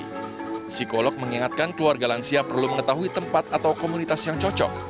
psikolog mengingatkan keluarga lansia perlu mengetahui tempat atau komunitas yang cocok